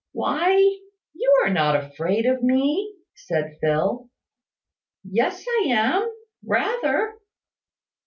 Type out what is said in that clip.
"Why, you are not afraid of me?" said Phil. "Yes I am rather."